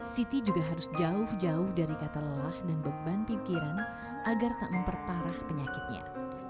siti juga harus jauh jauh dari kata lelah dan beban pikiran agar tak memperparah penyakitnya